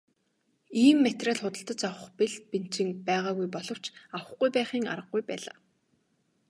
Ийм материал худалдаж авах бэл бэнчин байгаагүй боловч авахгүй байхын аргагүй байлаа.